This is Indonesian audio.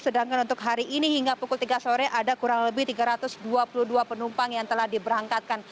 sedangkan untuk hari ini hingga pukul tiga sore ada kurang lebih tiga ratus dua puluh dua penumpang yang telah diberangkatkan